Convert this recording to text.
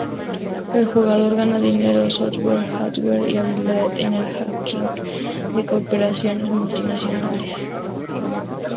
El jugador gana dinero, software, hardware, y habilidad en el hacking de corporaciones multinacionales.